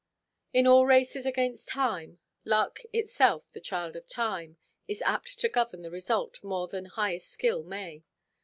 In all races against time, luck, itself the child of time, is apt to govern the result more than highest skill may.